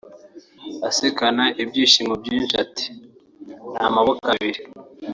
(Asekana ibyishimo byinshi ati) N’amaboko abiri